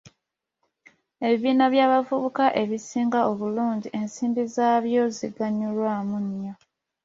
Ebibiina by'abavuka ebisiga obulungi ensimbi zaabyo biziganyulwamu nnyo.